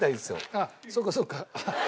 あっそっかそっか。